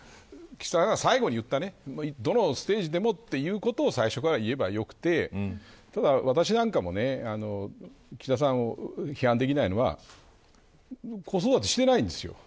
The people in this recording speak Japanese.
だから岸田さんが最後に言ったどのステージでもということを最初から言えばよくてただ私なんかも岸田さんを批判できないのは子育てしないんですよ。